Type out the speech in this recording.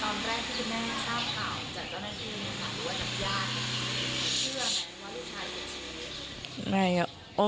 เชื่อไหมว่าลูกชายเป็นชีวิต